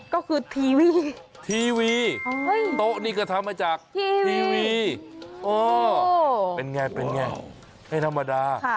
ก็คือทีวีทีวีโต๊ะนี่ก็ทำมาจากทีวีอ๋อเป็นไงเป็นไงไม่ธรรมดา